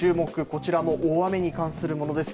こちらも大雨に関するものです。